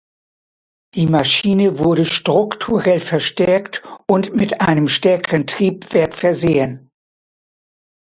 Die Maschine wurde strukturell verstärkt und mit einem stärkeren Triebwerk versehen.